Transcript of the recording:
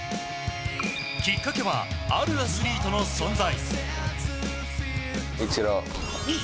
きっかけはあるアスリートの存在。